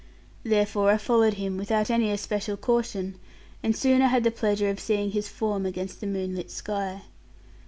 Therefore I followed him without any especial caution; and soon I had the pleasure of seeing his form against the moonlit sky.